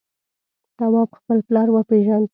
تواب خپل پلار وپېژند.